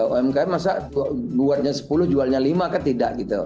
umkm masa jualnya sepuluh jualnya lima atau tidak